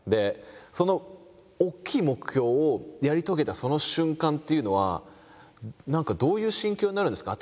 その大きい目標をやり遂げたその瞬間っていうのは何かどういう心境になるんですか？